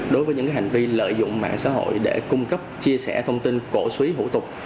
đối với những hành vi lợi dụng mạng xã hội để cung cấp chia sẻ thông tin cổ suý hữu tục